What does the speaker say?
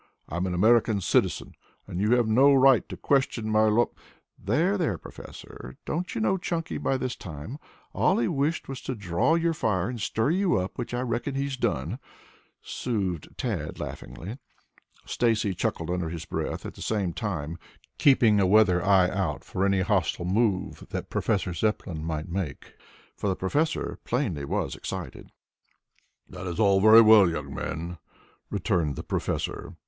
"I am an American citizen, and you have no right to question my loy " "There, there, Professor, don't you know Chunky by this time? All he wished was to draw your fire and stir you up, which I reckon he's done," soothed Tad laughingly. Stacy chuckled under his breath, at the same time keeping a weather eye out for any hostile move that Professor Zepplin might make, for the professor plainly was excited. "That is all very well, young men," returned the professor.